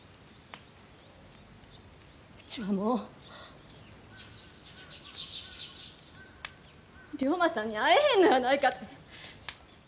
うちは、もう龍馬さんに会えへんのやないかて！